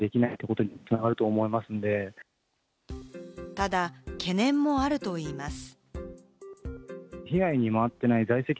ただ懸念もあるといいます。